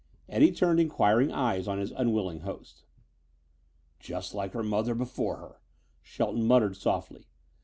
Eddie turned inquiring eyes on his unwilling host. "Just like her mother before her," Shelton muttered softly.